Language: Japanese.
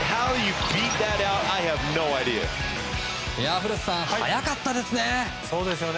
古田さん速かったですね。